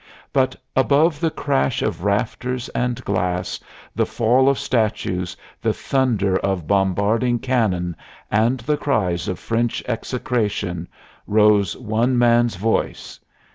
But above the crash of rafters and glass, the fall of statues, the thunder of bombarding cannon, and the cries of French execration, rose one man's voice.